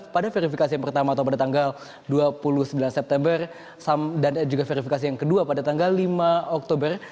pada verifikasi yang pertama atau pada tanggal dua puluh sembilan september dan juga verifikasi yang kedua pada tanggal lima oktober